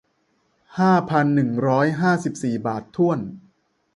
ห้าพันหนึ่งร้อยห้าสิบสี่บาทถ้วน